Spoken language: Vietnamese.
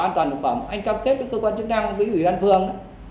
an toàn thực phẩm anh cam kết với cơ quan chức năng quý vị đoàn phương